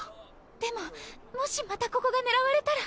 でももしまたここが狙われたら。